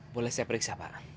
boleh saya periksa pak